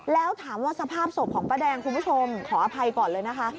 แล้วถามว่าสภาพศพของป้าแดงคุณผู้ชมขออภัยก่อนเลยนะคะ